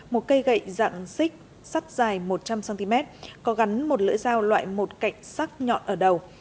một cây gậy dạng xích sắt dài một trăm linh cm có gắn một lưỡi dao loại một cạnh sắc nhọn ở đầu